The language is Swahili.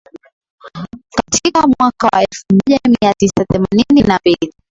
Katika mwaka wa elfu moja mia tisa themanini na mbili